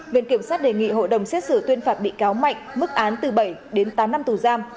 viện kiểm sát đề nghị hội đồng xét xử tuyên phạt bị cáo mạnh mức án từ bảy đến tám năm tù giam